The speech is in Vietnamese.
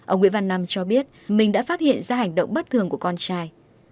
ông nguyễn văn năm cho biết mình đã phát hiện ra hành động bất thường của con trai